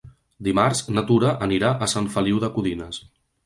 Dimarts na Tura anirà a Sant Feliu de Codines.